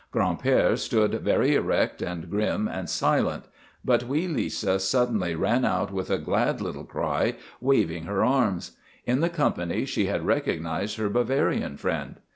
Gran'père stood very erect and grim and silent, but wee Lisa suddenly ran out with a glad little cry, waving her arms. In the company she had recognized her Bavarian friend.